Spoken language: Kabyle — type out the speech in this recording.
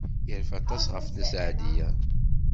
Yerfa aṭas ɣef Nna Seɛdiya.